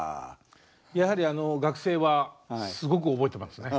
やはりあの学生はすごく覚えてますね。